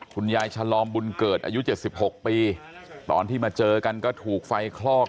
ฉลอมบุญเกิดอายุ๗๖ปีตอนที่มาเจอกันก็ถูกไฟคลอก